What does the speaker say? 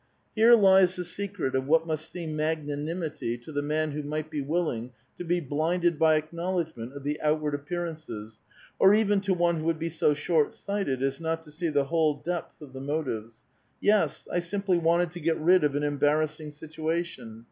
Here lies the secret of what must seem magnanimity to the man who might be willing to be blinded by acknowledgment of the outward appearances, or even to one who would be so shortsighted as not to see the whole depth of the motives. Yes, I simply wanted to get rid of an embarrassing situation.